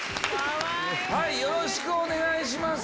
よろしくお願いします。